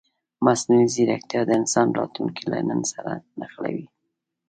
مصنوعي ځیرکتیا د انسان راتلونکی له نن سره نښلوي.